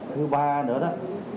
thứ ba nữa đó